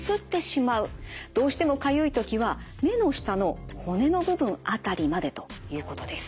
どうしてもかゆい時は目の下の骨の部分辺りまでということです。